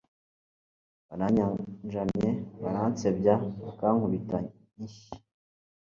baranyanjamye, baransebya, bakankubita inshyi